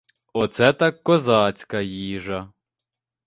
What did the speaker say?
Оце так козацька їжа!